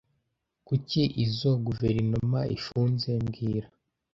Kuki izoi guverinoma ifunze mbwira